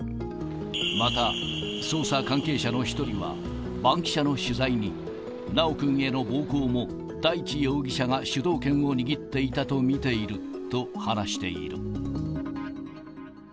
また、捜査関係者の１人は、バンキシャの取材に、修くんへの暴行も、大地容疑者が主導権を握っていたと見ていると話している。